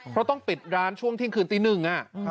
เพราะต้องปิดร้านช่วงธิงคืนตี๑อะ